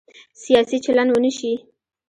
سیاسي چلند ونه شي.